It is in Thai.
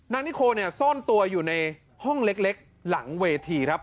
นิโคเนี่ยซ่อนตัวอยู่ในห้องเล็กหลังเวทีครับ